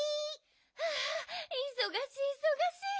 はあいそがしいいそがしい！